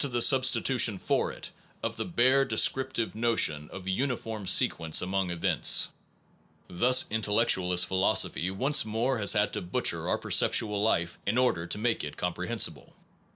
217 SOME PROBLEMS OF PHILOSOPHY substitution for it of the bare descriptive no tion of uniform sequence among events. Thus intellectualist philosophy once more has had to butcher our perceptual life in order to make it comprehensible.